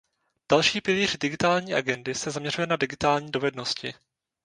Další pilíř digitální agendy se zaměřuje na digitální dovednosti.